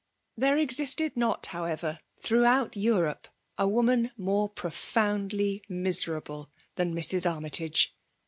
There existed not« however, throughout £a rope, a woman more profoundly miserable than Mrs. Armytage